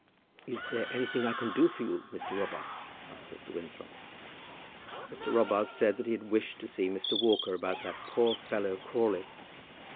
"Is there anything I can do for you, Mr. Robarts?" asked Mr. Winthrop. Mr. Robarts said that he had wished to see Mr. Walker about that poor fellow Crawley.